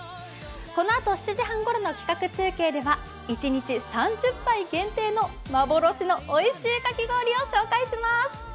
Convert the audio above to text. このあと、７時半ごろの企画中継では、１日３０杯限定の幻のおいしいかき氷を紹介します。